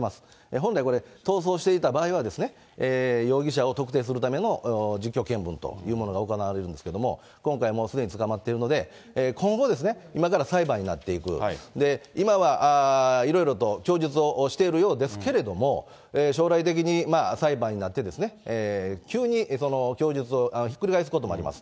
本来これ、逃走していた場合は、容疑者を特定するための実況見分というものが行われるんですけれども、今回もうすでに捕まっているので、今後、今から裁判になっていく、今はいろいろと供述をしているようですけれども、将来的に裁判になって、急に供述をひっくり返すこともあります。